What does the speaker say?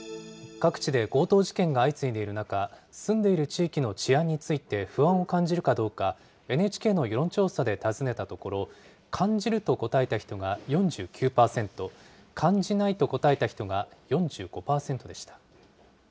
各地で強盗事件が相次いでいる中、住んでいる地域の治安について不安を感じるかどうか、ＮＨＫの世論調査で尋ねたところ、感じると答えた人が４９％、感じないと答えた人が４５％でした。